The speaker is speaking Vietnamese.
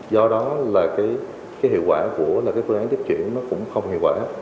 do đó là cái hiệu quả của cái phương án tiếp chuyển nó cũng không hiệu quả